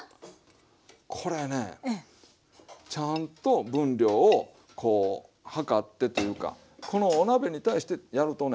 これねちゃんと分量をこう量ってというかこのお鍋に対してやるとね